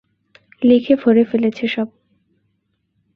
লিখে ভরে ফেলেছে সব।